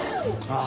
ああ。